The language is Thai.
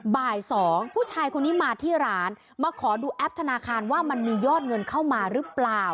บ่าย๒ผู้ชายคนนี้มาที่ร้านมาขอดูแอปธนาคารว่ามันมียอดเงินเข้ามาหรือเปล่า